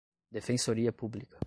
Defensoria Pública